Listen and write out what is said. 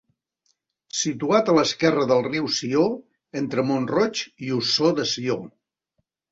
Situat a l'esquerra del riu Sió, entre Mont-roig i Ossó de Sió.